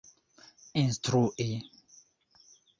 instrui